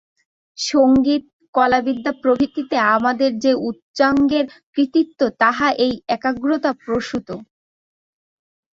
সঙ্গীত, কলাবিদ্যা প্রভৃতিতে আমাদের যে উচ্চাঙ্গের কৃতিত্ব, তাহা এই একাগ্রতা-প্রসূত।